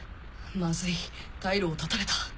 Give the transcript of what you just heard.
マズい退路を断たれた！